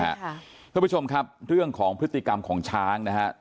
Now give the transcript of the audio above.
ใช่ค่ะเพื่อนผู้ชมครับเรื่องของพฤติกรรมของช้างนะฮะ